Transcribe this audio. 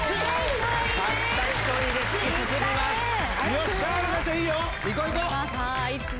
よっしゃ。